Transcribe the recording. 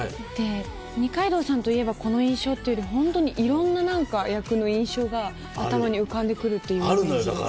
二階堂さんといえばこの印象っていうよりホントにいろんな役の印象が頭に浮かんでくるっていうイメージです。